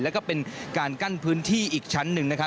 แล้วก็เป็นการกั้นพื้นที่อีกชั้นหนึ่งนะครับ